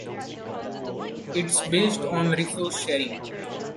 It’s based on resource sharing.